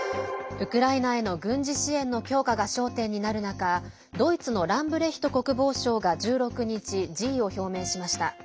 ウクライナへの軍事支援の強化が焦点になる中ドイツのランブレヒト国防相が１６日、辞意を表明しました。